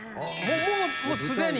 もうもうすでに。